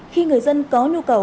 khi người dân có nhu cầu